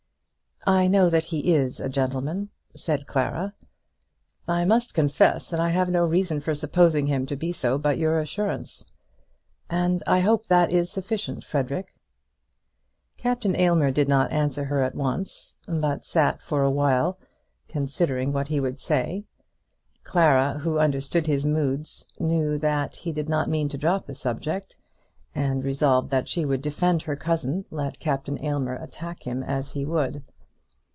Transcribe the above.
"I know that he is a gentleman," said Clara. "I must confess I have no reason for supposing him to be so but your assurance." "And I hope that is sufficient, Frederic." Captain Aylmer did not answer her at once, but sat for awhile silent, considering what he would say. Clara, who understood his moods, knew that he did not mean to drop the subject, and resolved that she would defend her cousin, let Captain Aylmer attack him as he would.